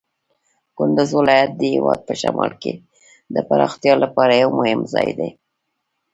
کندز ولایت د هېواد په شمال کې د پراختیا لپاره یو مهم ځای دی.